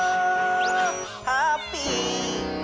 「ハッピー」